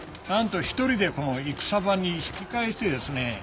なんと１人でこのいくさばに引き返してですね